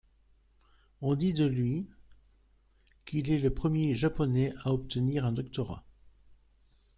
On dit de lui qu'il est le premier Japonais à obtenir un doctorat.